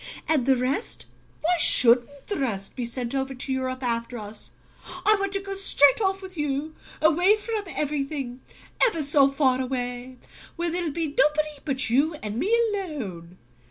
"And the rest why shouldn't the rest be sent over to Europe after us? I want to go straight off with you, away from everything ever so far away, where there'll be nobody but you and me alone!"